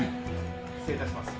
失礼いたします。